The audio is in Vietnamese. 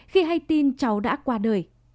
khi hay tin cháu đã qua đời